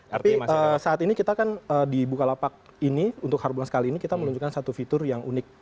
tapi saat ini kita kan di bukalapak ini untuk harbons kali ini kita menunjukkan satu fitur yang unik